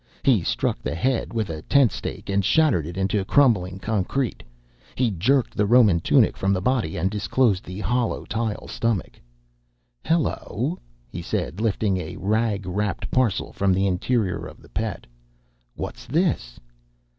He struck the head with a tent stake and shattered it into crumbling concrete. He jerked the Roman tunic from the body and disclosed the hollow tile stomach. "Hello!" he said, lifting a rag wrapped parcel from the interior of the Pet. "What's this?"